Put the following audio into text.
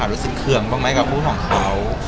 รู้สึกเครื่องต่อไหมกับพวกเค้า